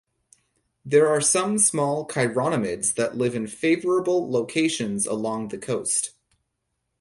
There are some small chironomids that live in favorable locations along the coast.